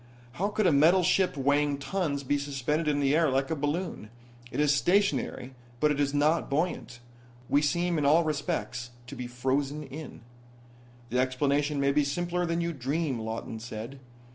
"How could a metal ship weighing tons be suspended in the air like a balloon? It is stationary, but it is not buoyant. We seem in all respects to be frozen in." "The explanation may be simpler than you dream," Lawton said.